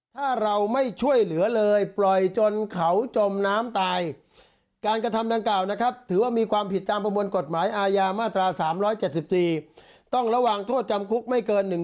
ทนายตอบว่ามีความผิดตามกฎหมายค่ะ